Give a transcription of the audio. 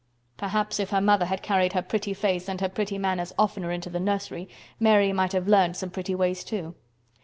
"Perhaps if her mother had carried her pretty face and her pretty manners oftener into the nursery Mary might have learned some pretty ways too.